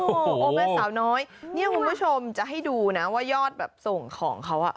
โอ้โหแฟนสาวน้อยเนี่ยคุณผู้ชมจะให้ดูนะว่ายอดแบบส่งของเขาอ่ะ